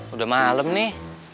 udah malem nih